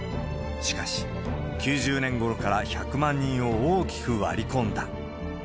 しかし、９０年ごろから１００万人を大きく割り込んだ。